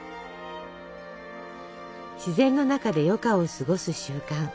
自然の中で余暇を過ごす習慣。